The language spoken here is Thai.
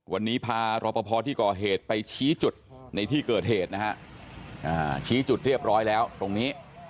วันนี้พารอปภที่ก่อเหตุไปชี้จุดในที่เกิดเหตุนะฮะชี้จุดเรียบร้อยแล้วตรงนี้